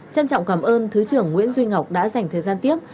trân trọng cảm ơn thứ trưởng nguyễn duy ngọc đã dành thời gian tiếp